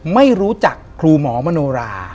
ไม่รู้จักครูหมอมโนรา